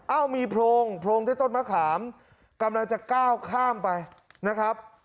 เอ้ามีโพรงโพรงที่ต้นมะขามกำลังจะก้าวข้ามไปนะครับ